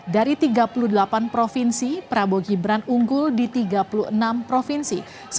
dari tiga puluh delapan provinsi prabowo gibran unggul di tiga puluh enam provinsi